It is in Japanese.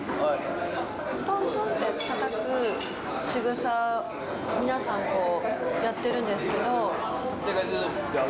トントンってたたくしぐさ、皆さん、やってるんですけど。